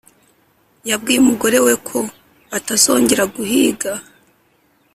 yabwiye umugore we ko atazongera guhiga